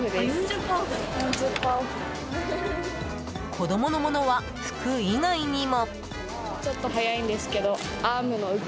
子供のものは服以外にも。